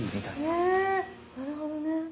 へえなるほどね。